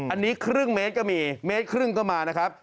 อันนี้ครึ่งเมตรก็มีเมตรครึ่งก็มานะครับ